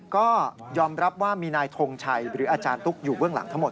ก็ยอมรับว่ามีนายทงชัยหรืออาจารย์ตุ๊กอยู่เบื้องหลังทั้งหมด